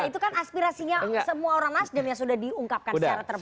itu kan aspirasinya semua orang nasdem yang sudah diungkapkan secara terbuka